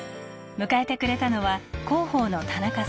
迎えてくれたのは広報の田中さん。